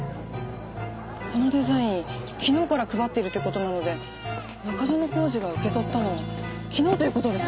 このデザイン昨日から配ってるって事なので中園宏司が受け取ったのは昨日という事です！